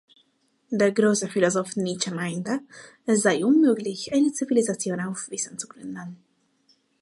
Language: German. Der große Philosoph Nietzsche meinte, es sei unmöglich, eine Zivilisation auf Wissen zu gründen.